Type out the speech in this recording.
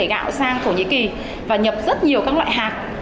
chúng tôi thúc đẩy gạo sang thổ nhĩ kỳ và nhập rất nhiều các loại hạt